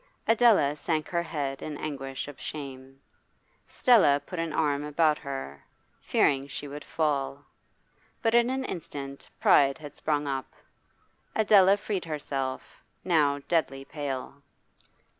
Adela sank her head in anguish of shame. Stella put an arm about her, fearing she would fall. But in an instant pride had sprung up; Adela freed herself, now deadly pale.